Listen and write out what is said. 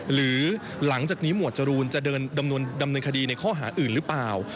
หรือหลังจากนี้หมวดจรูนจะเดินดำเนินคดีในข้อหาอื่นหรือเปล่า